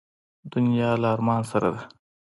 دنیا له ارمان سره ده.